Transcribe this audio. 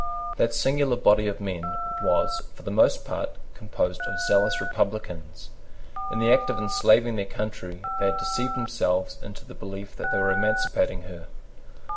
That singular body of men was, for the most part, composed of zealous republicans. In the act of enslaving their country, they had deceived themselves into the belief that they were emancipating her.